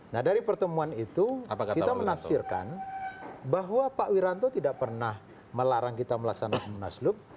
nah dari pertemuan itu kita menafsirkan bahwa pak wiranto tidak pernah melarang kita melaksanakan munaslup